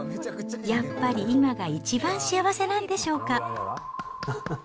やっぱり今が一番幸せなんでしょうか。